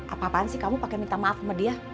apa apaan sih kamu pakai minta maaf sama dia